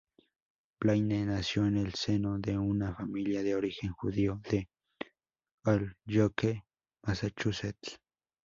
Blaine nació en el seno de una familia de origen judío en Holyoke, Massachusetts.